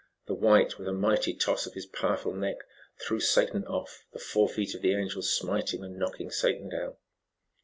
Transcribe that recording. The white with a mighty toss of his powerful neck, threw Satan off, the fore feet of the Angel smiting and knocking Satan down.